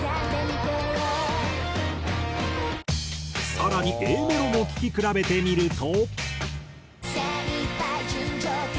更にＡメロも聴き比べてみると。